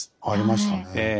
ありましたね。